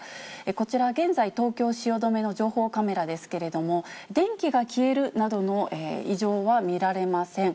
こちら現在、東京・汐留の情報カメラですけれども、電気が消えるなどの異常は見られません。